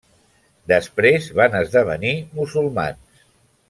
Després van esdevenir musulmans.